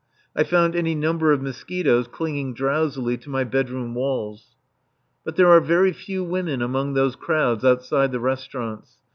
I found any number of mosquitoes clinging drowsily to my bedroom walls. But there are very few women among those crowds outside the restaurants.